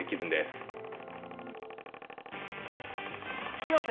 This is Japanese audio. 清瀬